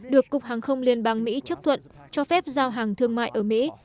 được cục hàng không liên bang mỹ chấp thuận cho phép giao hàng thương mại ở mỹ